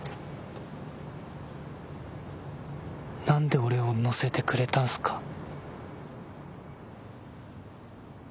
なんで俺を乗せてくれたんすか？